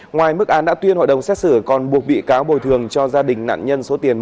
ngoài mức án đã tuyên hội đồng xét xử còn buộc bị cáo bồi thường cho gia đình nạn nhân số tiền một trăm ba mươi triệu đồng